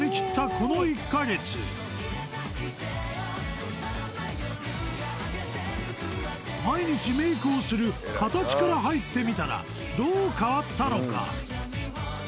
この１か月毎日メイクをする形から入ってみたらどう変わったのか？